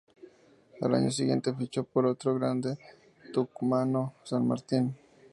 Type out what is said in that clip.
Al año siguiente fichó por el otro grande tucumano, San Martín.